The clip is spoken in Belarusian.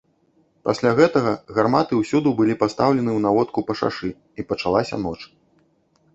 Пасля гэтага гарматы ўсюды былі пастаўлены ў наводку па шашы, і пачалася ноч.